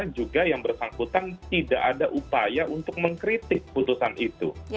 juga yang bersangkutan tidak ada upaya untuk mengkritik putusan itu